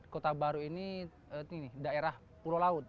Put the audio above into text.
kota baru ini daerah pulau laut